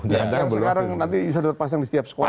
sekarang nanti sudah terpasang di setiap sekolah pak